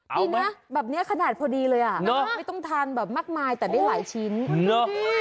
ดีนะแบบนี้ขนาดพอดีเลยอ่ะไม่ต้องทานแบบมากมายแต่ได้หลายชิ้นเนอะ